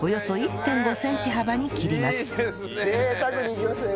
贅沢にいきますね